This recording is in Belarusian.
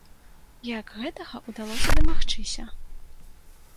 Як гэтага ўдалося дамагчыся?